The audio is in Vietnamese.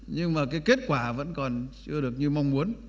nhưng mà cái kết quả vẫn còn chưa được như mong muốn